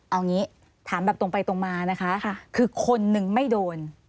เอางี้ถามแบบตรงไปตรงมานะคะคือคนนึงไม่โดน